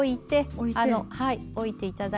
はい置いて頂いて。